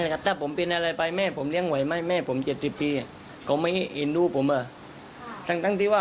ก็ไม่เอ็นลูกผมอะ